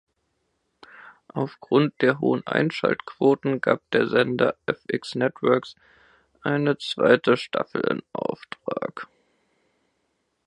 Aufgrund der hohen Einschaltquoten gab der Sender fx networks eine zweite Staffel in Auftrag.